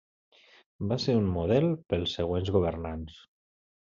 Va ser un model pels següents governants.